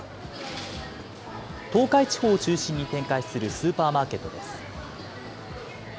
東海地方を中心に展開するスーパーマーケットです。